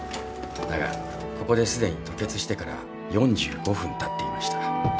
だがここですでに吐血してから４５分たっていました。